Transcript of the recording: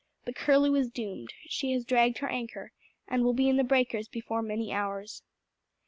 The Curlew is doomed, she has dragged her anchor, and will be in the breakers before many hours."